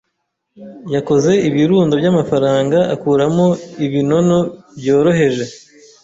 Yakoze ibirundo by'amafaranga akuramo ibinono byoroheje.